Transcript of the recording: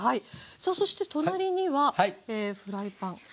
さあそして隣にはフライパン失礼しました。